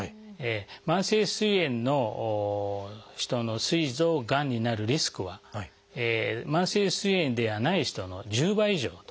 慢性すい炎の人のすい臓がんになるリスクは慢性すい炎ではない人の１０倍以上と。